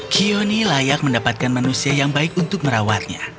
kioni layak mendapatkan manusia yang baik untuk merawatnya